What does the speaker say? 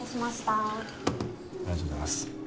ありがとうございます。